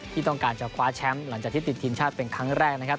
ที่ต้องการจะคว้าแชมป์หลังจากที่ติดทีมชาติเป็นครั้งแรกนะครับ